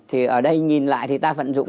thì ở đây nhìn lại thì ta vận dụng